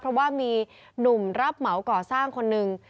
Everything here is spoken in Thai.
เพราะว่ามีหนุ่มรับเหมาก่อสร้างคนหนึ่ง